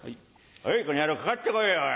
おいこの野郎かかってこいよ。